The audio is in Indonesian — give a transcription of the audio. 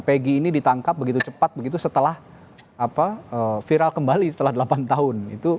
pegi ini ditangkap begitu cepat begitu setelah viral kembali setelah delapan tahun